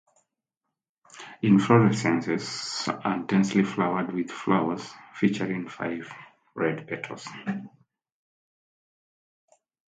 Inflorescences are densely flowered with flowers featuring five red petals.